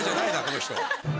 この人。